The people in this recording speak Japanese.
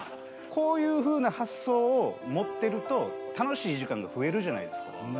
こういうふうな発想を持ってると楽しい時間が増えるじゃないですか。